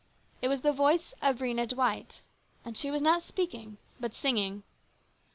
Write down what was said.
It was the voice of Rhena Dwight, and she was not speaking but singing.